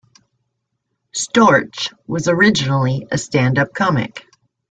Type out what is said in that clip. Storch was originally a stand-up comic.